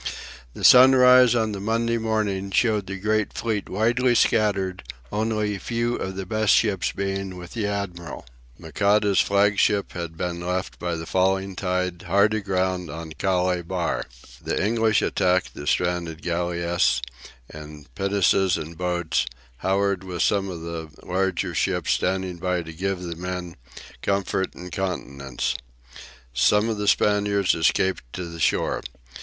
The sunrise on the Monday morning showed the great fleet widely scattered, only a few of the best ships being with the admiral. Moncada's flagship had been left by the falling tide hard aground on Calais bar. The English attacked the stranded galleass in pinnaces and boats, Howard with some of the larger ships standing by "to give the men comfort and countenance." Some of the Spaniards escaped to the shore.